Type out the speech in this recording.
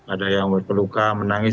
ada yang berpeluka menangis